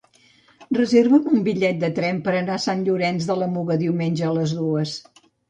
Reserva'm un bitllet de tren per anar a Sant Llorenç de la Muga diumenge a les dues.